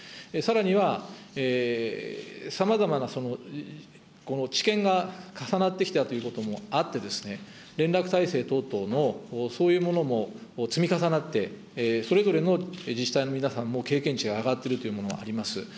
さらには、さまざまな治験が重なってきたということもあって、連絡体制等々のそういうものも積み重なって、それぞれの自治体の皆さんも経験値が上がっているというものはあります。